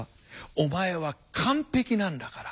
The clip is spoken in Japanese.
「お前は完璧なんだから」